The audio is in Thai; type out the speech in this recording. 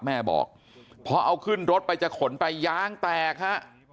แม่บอกพอเอาขึ้นรถไปจะขนไปยางแตกฮะ